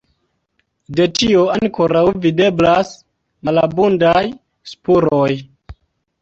De tio ankoraŭ videblas malabundaj spuroj.